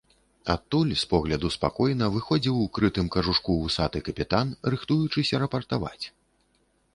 Адтуль, з погляду спакойна, выходзіў у крытым кажушку вусаты капітан, рыхтуючыся рапартаваць.